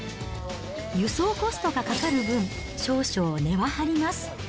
輸送コストがかかる分、少々値は張ります。